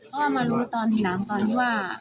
ก็เอามารู้ตอนที่นั้นตอนนี้ว่า